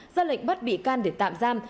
ra lệnh bắt bị can để tạp giam